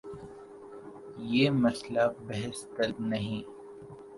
یہ مسئلہ بحث طلب نہیں۔